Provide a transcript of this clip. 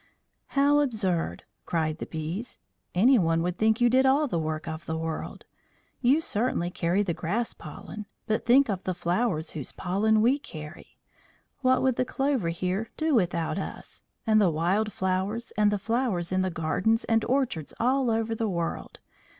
"How absurd!" cried the bees. "Anyone would think you did all the work of the world. You certainly carry the grass pollen, but think of the flowers whose pollen we carry. What would the clover here do without us? And the wild flowers, and the flowers in the gardens and orchards all over the world.